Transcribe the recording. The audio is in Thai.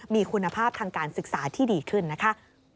มีคุณภาพทางการศึกษาที่ดีขึ้นนะคะ